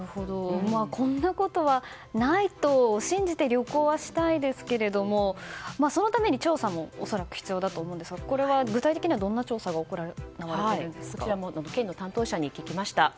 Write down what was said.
こんなことはないと信じて旅行はしたいですけどそのために調査も恐らく必要だと思うんですがこれは具体的にはどんな調査が県の担当者に聞きました。